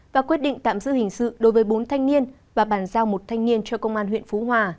và quyết định tạm giữ hình sự đối với bốn thanh niên và bàn giao một thanh niên cho công an huyện phú hòa